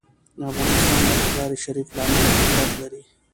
افغانستان د مزارشریف له امله شهرت لري.